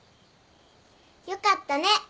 よかったね。